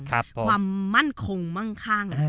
ความมั่นคงมั่งคั่ง